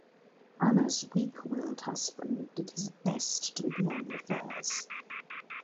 Anna's weak-willed husband did his best to ignore the affairs.